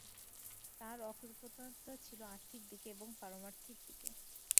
তাঁর অকৃপণতা ছিল আর্থিক দিকে এবং পারমার্থিক দিকে।